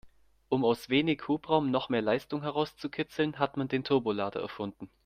Um aus wenig Hubraum noch mehr Leistung herauszukitzeln, hat man Turbolader erfunden.